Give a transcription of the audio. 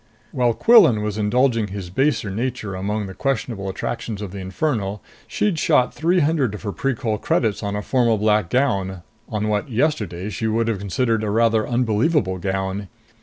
While Quillan was indulging his baser nature among the questionable attractions of the Inferno, she'd shot three hundred of her Precol credits on a formal black gown ... on what, yesterday, she would have considered a rather unbelievable gown.